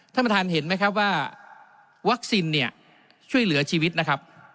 ท่านประธานเห็นไหมครับว่าวัคซีนเนี่ยช่วยเหลือชีวิตนะครับ